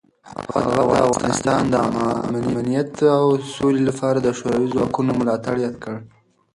هغه د افغانستان د امنیت او سولې لپاره د شوروي ځواکونو ملاتړ یاد کړ.